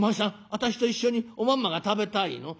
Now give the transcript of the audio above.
私と一緒におまんまが食べたいの？」。